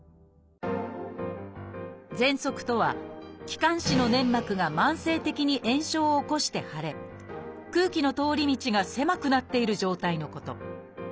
「ぜんそく」とは気管支の粘膜が慢性的に炎症を起こして腫れ空気の通り道が狭くなっている状態のこと。